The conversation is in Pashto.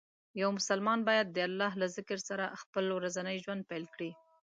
یو مسلمان باید د الله له ذکر سره خپل ورځنی ژوند پیل کړي.